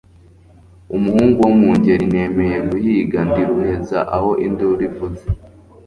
umuhungu wo mu ngeri nemeye guhiga, ndi ruheza aho induru ivuze